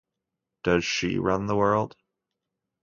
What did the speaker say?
Does she run the world?